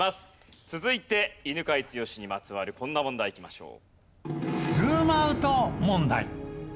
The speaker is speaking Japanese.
続いて犬養毅にまつわるこんな問題いきましょう。